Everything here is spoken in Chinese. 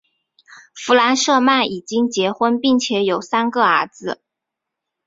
弗莱舍曼已经结婚并且有三个儿子。